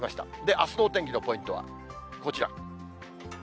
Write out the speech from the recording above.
あすのお天気のポイントはこちら。